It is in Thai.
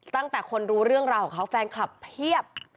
ตั้งแต่คนรู้เรื่องราวของเขาแฟนคลับเพียบ